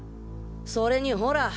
それにほら。